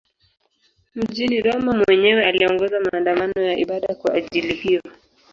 Mjini Roma mwenyewe aliongoza maandamano ya ibada kwa ajili hiyo.